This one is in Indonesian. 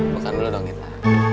makan dulu dong kita